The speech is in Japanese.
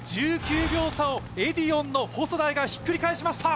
１９秒差をエディオンの細田あいがひっくり返しました。